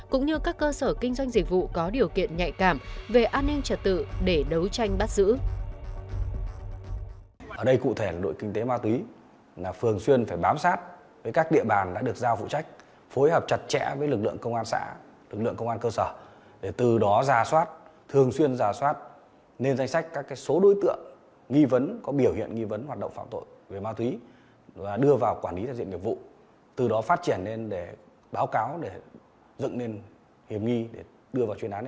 cũng như các cơ sở kinh doanh dịch vụ có điều kiện nhạy cảm về an ninh trật tự để đấu tranh bắt giữ